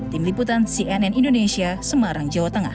tim liputan cnn indonesia semarang jawa tengah